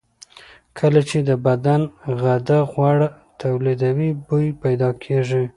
کله چې د بدن غده غوړ تولیدوي، بوی پیدا کېږي.